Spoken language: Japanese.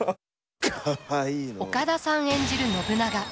岡田さん演じる信長。